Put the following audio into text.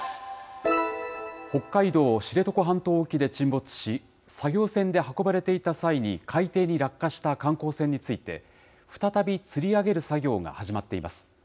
北海道知床半島沖で沈没し、作業船で運ばれていた際に海底に落下した観光船について、再びつり上げる作業が始まっています。